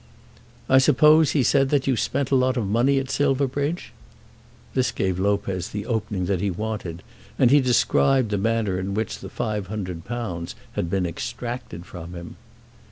"I suppose," he said, "that you spent a lot of money at Silverbridge?" This gave Lopez the opening that he wanted, and he described the manner in which the £500 had been extracted from him.